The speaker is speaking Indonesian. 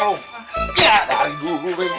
yah dari dulu gue dari kecil